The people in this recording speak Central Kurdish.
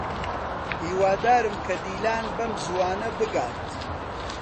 هیوادارم کە دیلان بەم زووانە بگات.